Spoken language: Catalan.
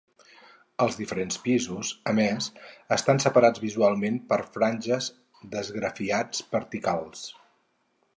Els diferents pisos, a més, estan separats visualment per franges d'esgrafiats verticals.